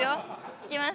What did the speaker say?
いきます。